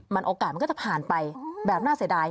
โอกาสมันก็จะผ่านไปแบบน่าเสียดาย